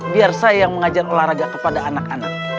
biar saya yang mengajar olahraga kepada anak anak